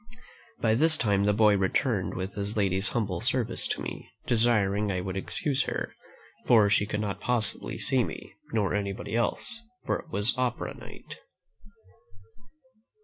By this time the boy returned with his lady's humble service to me, desiring I would excuse her; for she could not possibly see me, nor anybody else, for it was opera night."